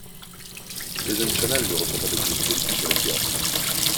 Eugène Chanal ne reprend pas d'activité politique à la Libération.